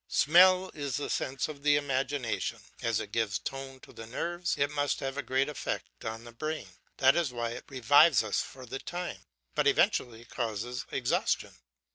Smell is the sense of the imagination; as it gives tone to the nerves it must have a great effect on the brain; that is why it revives us for the time, but eventually causes exhaustion.